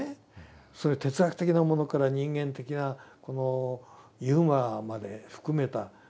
そういう哲学的なものから人間的なこのユーモアまで含めたこの広さ。